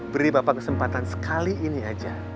beri bapak kesempatan sekali ini aja